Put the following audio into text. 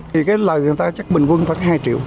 thì cái lời người ta chắc bình quân khoảng hai triệu